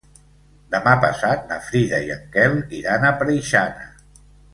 Demà passat na Frida i en Quel iran a Preixana.